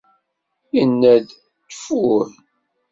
Yenna-d: “ttfuuuh!”